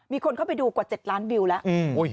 มีคนเข้าไปดูกว่า๗ล้านวิวแล้ว